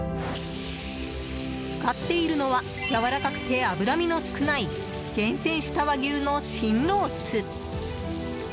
使っているのはやわらかくて脂身の少ない厳選した和牛の芯ロース。